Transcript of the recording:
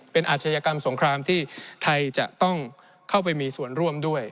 เป็นอาชญากรรมสงครามที่ไทยจะต้องเข้าไปมีส่วนร่วมด้วย